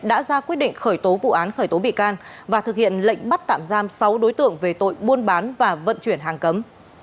đã ra quyết định khởi tố vụ án khởi tố bị can và thực hiện lệnh bắt tạm giam sáu đối tượng về tội buôn bán và vận chuyển hàng cấm